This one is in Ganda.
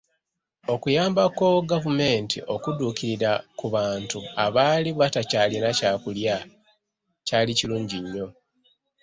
Okuyambako ku gavumenti okudduukirira ku bantu abaali batakyalina kyakulya kyalikirungi nyo.